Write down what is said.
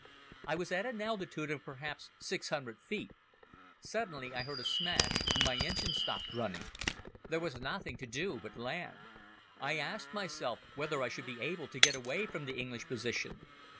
"I was at an altitude of perhaps six hundred feet. Suddenly, I heard a smash and my engine stopped running. There was nothing to do but to land. I asked myself whether I should be able to get away from the English position.